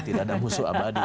tidak ada musuh abadi